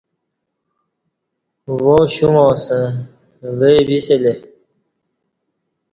واوے شوں اسݩ ویی بی سلے